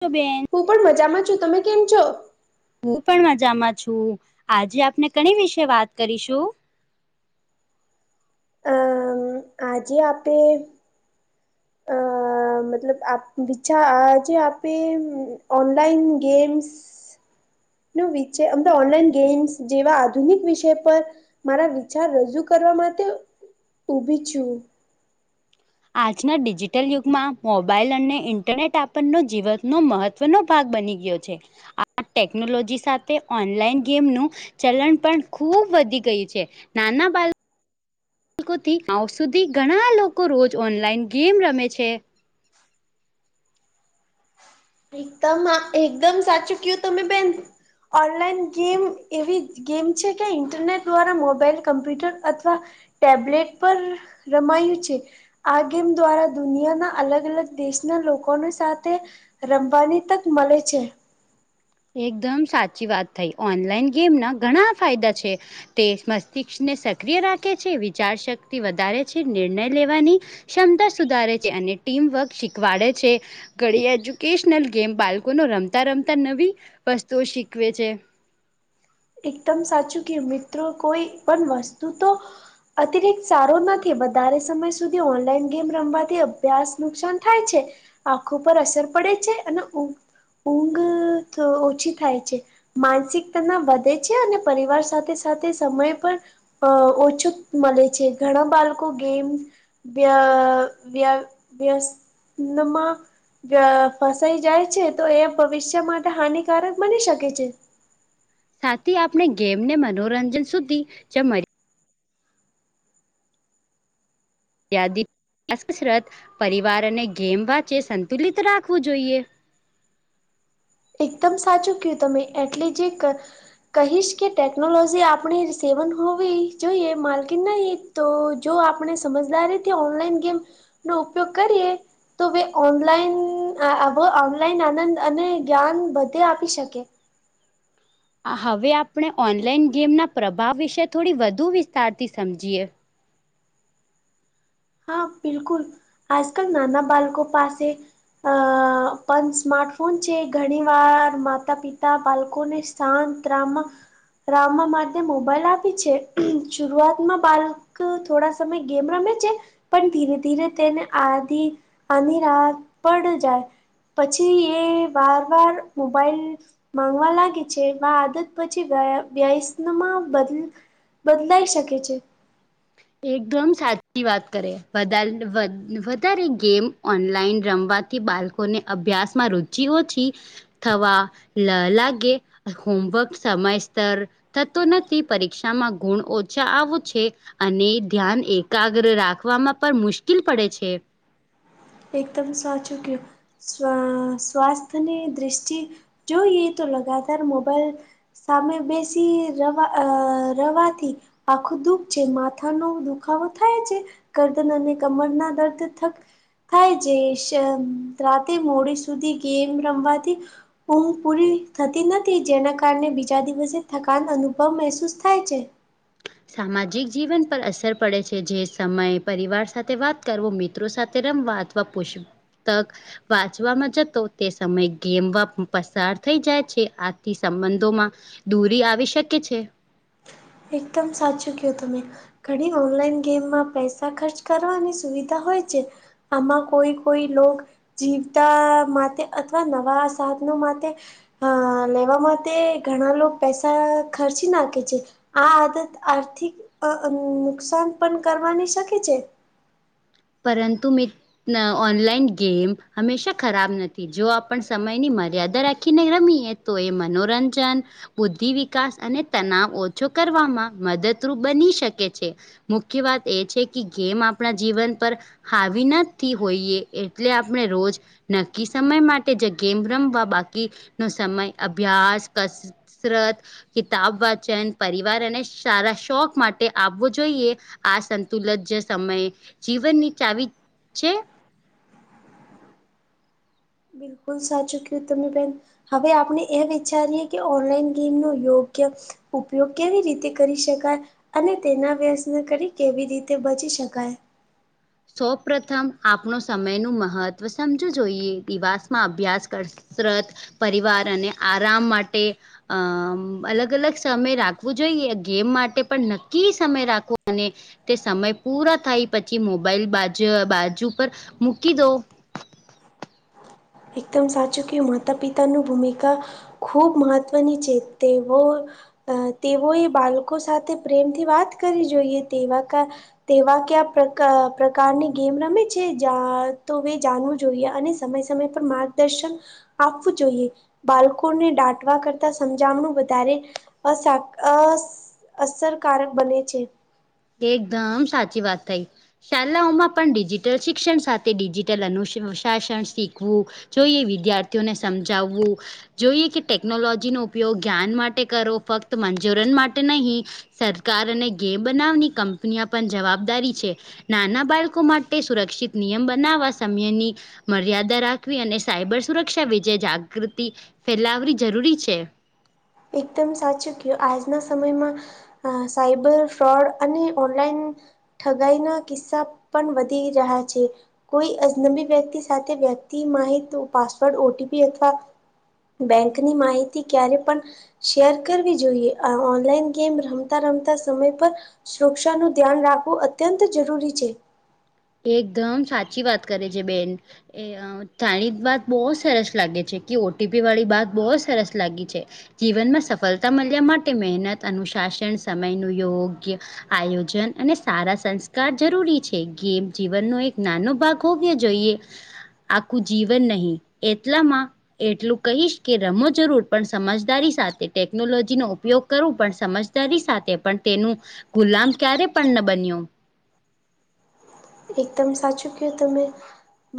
તો બેન. હું પણ મજામાં છું તમે કેમ છો? હું પણ મજામાં છું આજે આપને કણી વિશે વાત કરીશું. અ આજે આપે અ. મતલબ આપ વિછા આજે આપે ઓનલાઈન ગેમ્સ નો વિચે અમણા ઓનલાઈન ગેમ્સ જેવા આધુનિક વિષય પર મારા વિચાર રજૂ કરવા માટે ઉભી છું. આજના ડિજિટલ યુગમાં મોબાઈલ અને ઇન્ટરનેટ આપણનો જીવનનું મહત્ત્વ મહત્વ નો ભાગ બની ગયો છે આ ટેકનોલોજી સાથે ઓનલાઈન ગેમ નુ ચલણ પણ ખુબ વધી ગયું છે નાના બાળ કો થી આવ સુધી ધણા લોકો રોજ ઓનલાઈન ગેમ રમે છે. એકદમ આ એકદમ સાચું કયું તમે બેન. ઓનલાઈન ગેમ એવી ગેમ છે કે ઇન્ટરનેટ દ્વારા મોબાઈલ કમ્પ્યુટર અથવા ટેબલેટ પર રમાયું છે. આ ગેમ દ્વારા દુનિયાના અલગ અલગ દેશના લોકોને સાથે રમવાની તક મળે છે. એકદમ સાચી વાત થઈ ઓનલાઈન ગેમ ના ઘણા ફાયદા છે. તે મસ્તિષ્ક ને સક્રિય રાખે છે વિચાર શક્તિ વધારે છે નિર્ણય લેવાની ક્ષમતા સુધારે છે અને ટીમવર્ક શીખવાડે છે. ઘડી એજ્યુકેશનલ ગેમ બાળકો નુ રમતા રમતા નવી વસ્તુઓ શીખવે છે. એકદમ સાચું કે મિત્રો પણ વસ્તુ તો અતિરિક્ત સારો નથી વધારે સમય સુધી ઓનલાઈન ગેમ રમવાથી અભ્યાસ નુકસાન થાય છે. આંખો પર અસર પડે છે અને ઊધ ઊંઘ તો ઓછી થાય છે માનસિકતાના વધ તે છે અને પરિવાર સાથે સાથે સમય પણ અ ઓછું મળે છે ઘણા બાલકો ગેમ વ્યા વ્યા વ્યસનમાં વ્યા ફસાઈ જાય છે તો એ ભવિષ્ય માટે હાનિકારક બની શકે છે. સાથે આપણે ગેમ ને મનોરંજન સુધી જમરી યાદી અ કસરત પરિવારને ગેમ વાંચે સંતુલિત રાખવું જોઈએ. એકદમ સાચું કહ્યું તમે એટલે જે કર. કહીશ કે ટેકનોલોજી આપણી સેવન હોવી જોઈએ માલકિન નહિ તો જો આપણે સમજદારી થી ઓનલાઈન ગેમ નો ઉપયોગ કરીએ તો વે ઓનલાઈન અ અવ ઓનલાઈન આનંદ અને જ્ઞાન બધે આપી શકે. આ હવે આપણે ઓનલાઈન ગેમના પ્રભાવ વિશે થોડી વધુ વિસ્તારથી સમજીએ હા બિલકુલ આજ કલ નાના બળકો પાસે અ પણ સ્માર્ટફોન છે ઘણી વાર માતા પિતા બાળકોને શાંત રામા રામા માટે મોબાઈલ આપી છે શરૂઆતમાં બાળ કઉ થોડા સમય ગેમ રમે છે. પણ ધીરે ધીરે તેને આધ આની રાહ પડ જાય પછી એ વાર વાર મોબાઈલ માંગવા લાગે છે આદત પછી વય વ્યયસનમાં બદ બદલાઈ શકે છે. એકદમ સાચી વાત કરે વધારે વધારે ગેમ ઓનલાઈન રમવાથી બાળકોને અભ્યાસ માં રુચિ ઓછી થવા લ લાગે હોમવર્ક સમયસર થતો નથી પરીક્ષામાં ગુણ ઓછા આવું છે અને ધ્યાન એકાગ્ર રાખવામાં પણ મુશ્કેલ પડે છે. એકદમ સાચુ કોય સ્વા સ્વાસ્થની દ્રષ્ટિ જોઈએ તો લગાતાર મોબાઈલ સામે બેસી રવા રેવાથી આખું દુઃખ છે માથાનો દુખાવો થાય છે ગરદન અને કમરના દર્દ થક થાય જે રાતે મોડી સુધી ગેમ રમવાથી ઊંઘ પૂરી થતી નથી જેના કારણે બીજા દિવસે થકાન અનુભવ મહેસૂસ થાય છે સામાજિક જીવન પર અસર પડે છે જે સમયે પરિવાર સાથે વાત કરવો મિત્રો સાથે રમવાત પુસ્તક વાંચવામાં જતો તે સમય ગેમવા પસાર થઈ જાય છે આથી સંબંધોમાં દૂરી આવી શકે છે એકદમ સાચું કોય તમે ઘડી ઓનલાઈન ગેમમાં પૈસા ખર્ચ કરવાની સુવિધા હોય છે આમાં કોઈ કોઈ લોગ જીવતા માટે અથવા નવા સાધનો માટે હ લેવા માટે ઘણા લોકો પૈસા ખર્ચી નાખે છે. આ આદત આર્થિક અ નુકસાન પણ કરવાની શકે છે પરંતુ મિત્ર ઓનલાઈન ગેમ હંમેશા ખરાબ નથી જો આપ સમયની મર્યાદા રાખીને રમીએ તો એ મનોરંજન બુદ્ધિ વિકાસ અને તનાવ ઓછો કરવામાં મદદરૂપ બની શકે છે. મુખ્ય વાત એ છે કે ગેમ આપણા જીવન પર હાવી નાથી હોઈએ એટલે આપણે રોજ નક્કી સમય માટે જે ગેમ રમવા બાકીનો સમય અભ્યાસ કસરત કિતાબ વાચન પરિવાર અને સારા શોખ માટે આવવો જોઈએ આ સંતુલન જ સમયે જીવન ની ચાવી છે બિલકુલ સાચું કયું તમે બેન હવે આપણે એ વિચારીએ કે ઓનલાઈન ગેમ નો યોગ્ય ઉપયોગ કેવી રીતે કરી શકાય અને તેના વ્યસને કરી કેવી રીતે બચી શકાય સૌ પ્રથમ આપણો સમય નું મહત્વ સમજવું જોઈએ દીવાસ માં અભ્યાસ કરશે કસરત પરિવાર અને આરામ માટે અમ અલગ અલગ સમય રાખવું જોઈએ ગેમ માટે પણ નક્કી સમય રાખવો અને તે સમય પૂરા થાય પછી મોબાઈલ બાજુ બાજુ પર મૂકી દો [inaudible] એકદમ સાચું કે માતા પિતાનું ભૂમિકા ખૂબ મહત્ત્વની છે તેઓ અ તેઓએ બાળકો સાથે પ્રેમથી વાત કરવી જોઈએ તેવા કા તેવા ક્યા પ્રકા પ્રકારની ગેમ રમે છે તો જાણવું જોઈએ અને સમય સમય પર માર્ગદર્શન આપવું જોઈએ. બાળકોને દાટવા કરતા, સમજામણું વધારે અ અ અસરકારક બને છે. એકદમ સાચી વાત થઈ. શાળાઓમાં પણ ડિજિટલ શિક્ષણ સાથે ડિજિટલ અનુશાસન શીખવું. જોઈએ, તો એ વિદ્યાર્થીઓને સમજાવવું. જોઈએ કે ટેકનોલોજીનો ઉપયોગ જ્ઞાન માટે કરો, ફક્ત મંનોરંજન માટે નહીં. સરકાર અને ગે બનાવની કંપની પણ જવાબદારી છે. નાના બાળકો માટે સુરક્ષિત નિયમ બનાવવા સમયની મર્યાદા રાખવી અને સાયબર સુરક્ષા વિજે જાગૃતિ ફેલાવવી જરૂરી છે. એકદમ સાચું કયું આજના સમયમાં અ સાઈબર ફ્રોડ અને ઓનલાઈન ઠગાઈ ના કિસ્સા પણ વધી રહ્યા છે. કોઈ અજનબી વ્યક્તિ સાથે, વ્યક્તિ માહિતી પાસવર્ડ ઓટીપી અથવા બેંકની માહિતી ક્યારે પણ શેર કરવી જોઈએ આ ઓનલાઈન ગેમ રમતા રમતા સમય પર સુરક્ષાનું ધ્યાન રાખવું અત્યંત જરૂરી છે. એકદમ સાચી વાત કરે છે બેન એ અ જાણી વાત બહુ સરસ લાગે છે કે ઓટીપી વાળી વાત બહુ સરસ લાગી છે. જીવનમાં સફળતા મળ્યા માટે મહેનત અનુશાસન સમયનનું યોગ્ય આયોજન અને સારા સંસ્કાર જરૂરી છે ગેમ જીવનનો એક નાનો ભાગ હોવ્યો જોઈએ આખું જીવન નહીં એટલામાં એટલું કહીશ કે રમો જરૂર પણ સમજદારી સાથે ટેકનોલોજીનો ઉપયોગ કરું પણ સમજદારી સાથે પણ તેનું ગુલામ ક્યારે પણ ન બન્યો. એકદમ સાચું કીધું તમે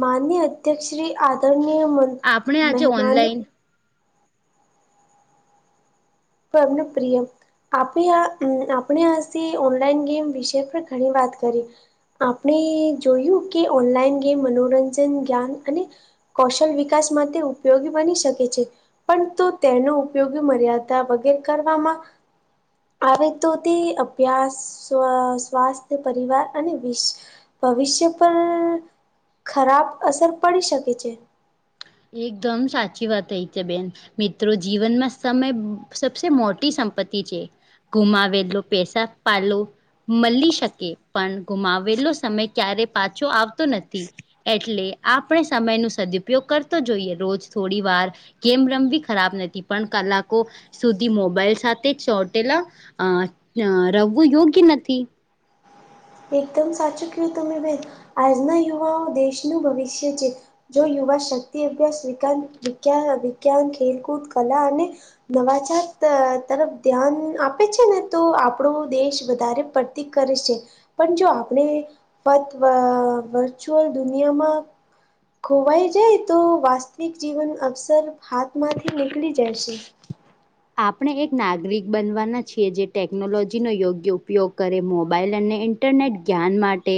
માન્ય અધ્યક્ષ શ્રી આદરણીય મ આપણે આજે મહેમાનો ઓનલાઈન ઘરનું પ્રિય આપણે, આપણે આસે ઓનલાઈન ગેમ વિષ પર ઘણી વાત કરી. આપણે જોયું કે ઓનલાઈન ગેમ, મનોરંજન જ્ઞાન અને કૌશલ વિકાસ માટે ઉપયોગી બની શકે છે, પણ તો તેનો ઉપયોગી મર્યાદા ના વગેરે કરવામાં આવે તો, તે અભ્યાસ, સ્વાસ્થ્ય પરિવાર અને વિશ ભવિષ્ય પર ખરાબ અસર પડી શકે છે. એકદમ સાચી વાત થઈ છે, બેન. મિત્રો જીવનમાં સમય સબસે મોટી સંપત્તિ છે. ગુમાવેલું પેસા પાલું મળી શકે, પણ ગુમાવેલો સમય ક્યારે પાછો આવતો નથી. એટલે આપણે સમયનો સદઉપયોગ કર જોઈએ તો રોજ થોડી ગેમ રમબી ખરાબ નથી, પણ કલાકો સુધી મોબાઈલ સાથે ચોટેલા, અ રમવું યોગ્ય નથી. એકદમ સાચું કીધુ તમે બેન આજના યુવાઓ દેશનું ભવિષ્ય છે. જો યુવા શક્તિ અભ્યાસ વિકંત વિજ્ઞાન ખેલકૂદ કલા અને નવાજાત ત તરફ ધ્યાન આપે છે ને, તો આપણો દેશ વધારે પ તી કરે છે, પણ જો આપણે પત્વ વર્ચ્યુઅલ દુનિયામાં ખોવાઈ જાય, તો વાસ્તવિક જીવન અક્સર હાથમાંથી નીકળી જાય છે. આપણે એક નાગરિક બનવાના છીએ, જે ટેક્નોલોજી નો યોગ્ય ઉપયોગ કરે. મોબાઈલ અને ઈન્ ટરનેટ જ્ઞાન માટે,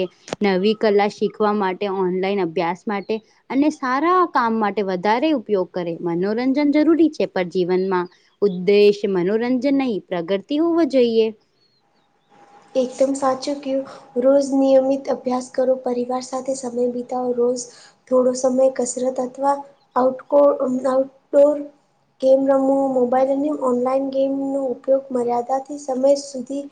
નવી કલા શીખવા, માટે ઓનલાઈન અભ્યાસ માટે અને સારાં કામ માટે વધારે ઉપયોગ કરે મનોરંજન જરૂરી છે, પર જીવનમાં ઉદ્દેશ મનોરંજન નહીં, પ્રગરતિ હોવો જોઈએ. એકદમ સાચું કીયું. રોઝ નિયમિત અભ્યાસ કરો, પરિવાર સાથે સમય બિતાવો રોઝ થોડો સમય કસરત અથવા આઉટકો અમ આઉટડોર ગેમ રમો, મોબાઈલ અને ઓનલાઈન ગેમનો ઉપયોગ મર્યાદાથી સમય સુધી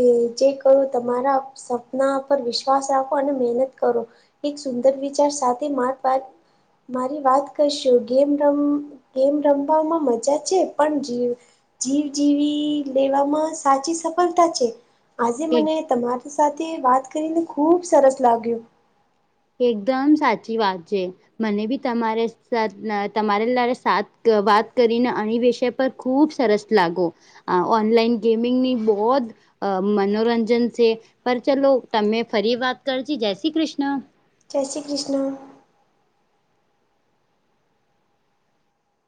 એ જે કયો તમારા અપ સપના પર વિશ્વાસ રાખો અને મેનત કરો. એક સુંદર વિચાર સાથે માત વાત મારી વાત કયશુ, ગેમ રમ ગેમ રમવામાં મજા છે પણ જી જીવ જીવી લેવામાં સાચી સફલતા છે. આજે મને તમારી સાથે વાત કરીને ખુબ સરસ લાગ્યું. એકદમ સાચી વાત છે. મને બી તમારે સાત ના તમારે લારે સાત વાત કરીને અણી વિશે પર ખૂબ સરસ લાગો, આ ઓનલાઈન ગેમિંગની બોદ અ મનોરંજન છે, પર ચલો તમે ફરી વાત કરજી. જય શ્રી ક્રિષ્ન. જય શ્રી ક્રિષ્ન.